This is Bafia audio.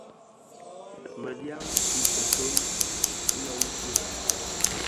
Medyan i kiton lonkin.